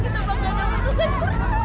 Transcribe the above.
kita masih mau bangun sama wanita kita